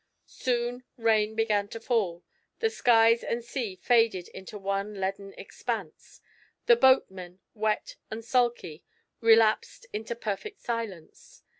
Soon rain began to fall; the skies and sea faded into one leaden expanse; the boatmen, wet and sulky, relapsed into perfect silence.